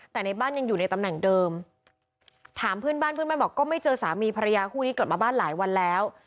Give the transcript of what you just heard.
แต่ในบ้านยังอยู่ในตำแหน่งเดิมถามเพื่อนบ้านเพื่อนบ้านบอกก็ไม่เจอสามีภรรยาคู่นี้กลับมาบ้านหลายวันแล้ว